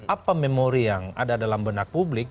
apa memori yang ada dalam benak publik